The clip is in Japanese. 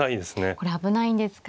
これ危ないんですか。